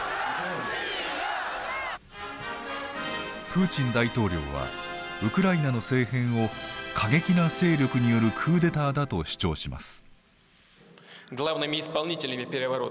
プーチン大統領はウクライナの政変を過激な勢力によるクーデターだと主張します。